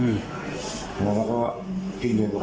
พี่ยืดลายมาพอก็ถูกแล้วก็ถูกแล้วก็ถูก